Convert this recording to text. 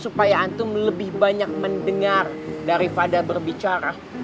supaya antum lebih banyak mendengar daripada berbicara